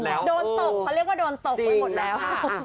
เขาเรียกว่าโดนตกไปหมดแล้ว